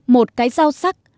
một cái dao sắc